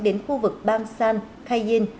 đến khu vực bang san khai yên